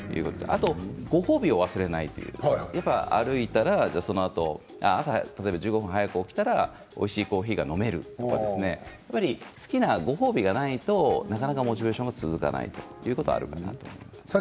あとご褒美を忘れないということで歩いたら、そのあと例えば朝１５分早く起きたらおいしいコーヒーが飲めるとか好きなご褒美がないとなかなかモチベーションが続かないということがあるかなと思います。